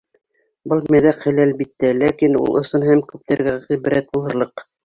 Был мәҙәк хәл, әлбиттә, ләкин ул ысын һәм күптәргә ғибрәт булырлыҡ.